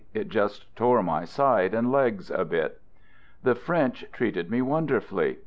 It just tore my side and legs a bit. The French treated me wonderfully.